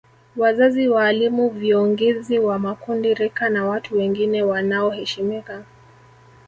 Wazazi waalimu viongizi wa makundi rika na watu wengine wanaoheshimika